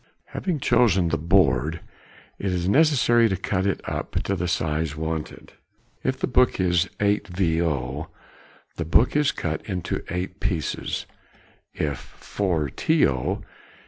] Having chosen the board, it is necessary to cut it up to the size wanted. If the book is 8vo., the board is cut into eight pieces; if 4to.